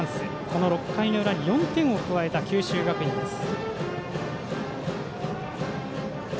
この６回の裏に４点を加えた九州学院です。